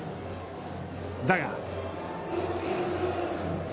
だが。